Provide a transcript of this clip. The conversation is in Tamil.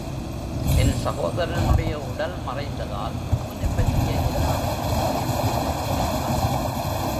என் சகோதரனுடைய உடல் மறைந்ததால், அவனைப்பற்றிய எல்லாமே அழிந்து போய் விட்டனவா?